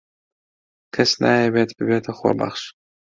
کەس نایەوێت ببێتە خۆبەخش.